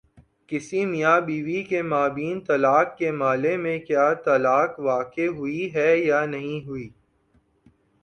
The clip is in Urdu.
کسی میاں بیوی کے مابین طلاق کے مألے میں کیا طلاق واقع ہوئی ہے یا نہیں ہوئی؟